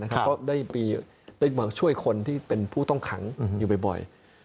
ก็ได้มาช่วยคนที่เป็นผู้ต้องขังอยู่บ่อย